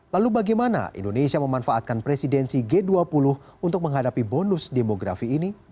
lalu bagaimana indonesia memanfaatkan presidensi g dua puluh untuk menghadapi bonus demografi ini